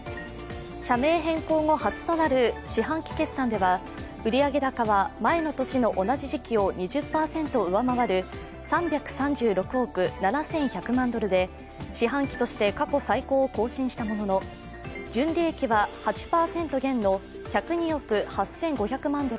社名変更後初となる四半期決算では売上高は前の年の同じ時期を２０％上回る３３６億７１００万ドルで、四半期として過去最高を更新したものの純利益は８％減の１０２億８５００万